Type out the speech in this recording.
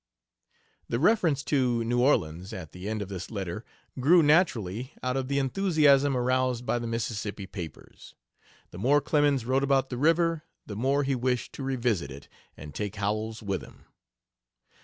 The reference to New Orleans at the end of this letter grew naturally out of the enthusiasm aroused by the Mississippi papers. The more Clemens wrote about the river the more he wished to revisit it and take Howells with him.